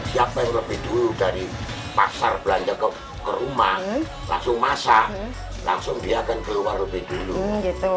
siapa yang lebih dulu dari pasar belanja ke rumah langsung masak langsung dia akan keluar lebih dulu gitu